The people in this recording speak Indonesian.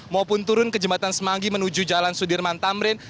maupun turun ke jembatan semanggi menuju jalan sudirman tamrin